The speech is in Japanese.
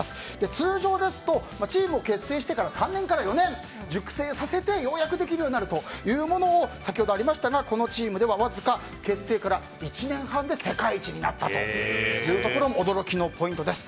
通常ですとチームを結成してから３年から４年熟成させてようやくできるようになるというものを先ほどありましたがこのチームでは結成からわずか１年半で世界一になったというところも驚きのポイントです。